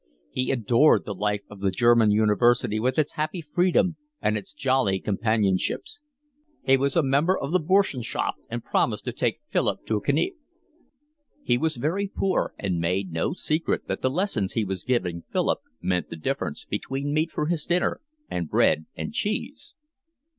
He adored the life of the German university with its happy freedom and its jolly companionships. He was a member of a Burschenschaft, and promised to take Philip to a Kneipe. He was very poor and made no secret that the lessons he was giving Philip meant the difference between meat for his dinner and bread and cheese.